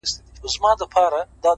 چي سُجده پکي ـ نور په ولاړه کيږي ـ